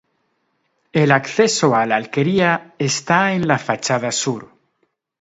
El acceso a la alquería está en la fachada sur.